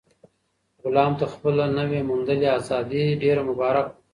غلام ته خپله نوي موندلې ازادي ډېره مبارک وه.